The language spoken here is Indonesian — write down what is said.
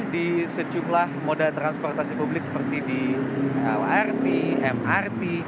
di sejumlah moda transportasi publik seperti di lrt mrt